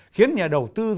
khiến nhà đầu tư